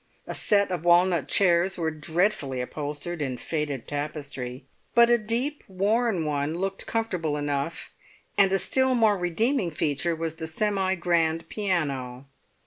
A set of walnut chairs were dreadfully upholstered in faded tapestry; but a deep, worn one looked comfortable enough, and a still more redeeming feature was the semi grand piano.